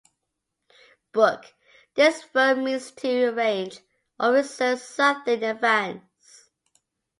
Book - This verb means to arrange or reserve something in advance.